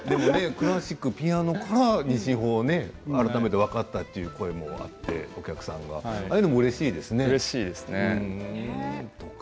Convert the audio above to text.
クラシックピアノから二進法が改めて分かったという声もあってお客さんがうれしいですね。